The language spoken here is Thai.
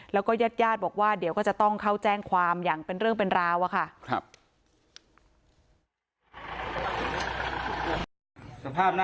แล้วก็ญาติญาติบอกว่าเดี๋ยวก็จะต้องเข้าแจ้งความอย่างเป็นเรื่องเป็นราวอะค่ะ